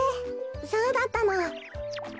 そうだったの。